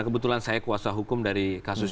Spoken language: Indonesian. kebetulan saya kuasa hukum dari kasus